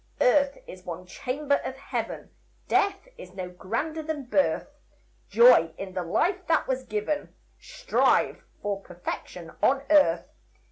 Earth is one chamber of Heaven, Death is no grander than birth. Joy in the life that was given, Strive for perfection on earth.